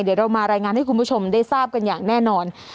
เดี๋ยวเรามารายงานให้คุณผู้ชมได้ทราบกันอย่างแน่นอน